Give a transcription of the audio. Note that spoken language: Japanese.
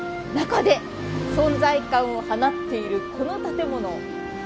中で存在感を放っているこの建物。